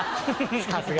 さすが。